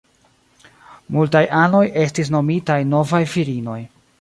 Multaj anoj estis nomitaj "Novaj Virinoj".